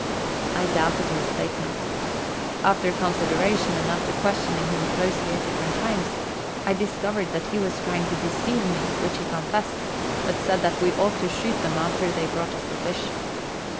I doubted his statement. After consideration, and after questioning him closely at different times, I discovered that he was trying to deceive me, which he confessed, but said that we ought to shoot them after they brought us the fish.